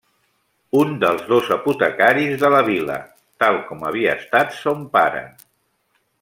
Un dels dos apotecaris de la vila, tal com havia estat son pare.